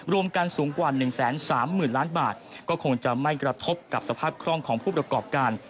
รวมกันสูงกว่า๑๓๐๐๐ล้านบาทก็คงจะไม่กระทบกับสภาพคล่องของผู้ประกอบการ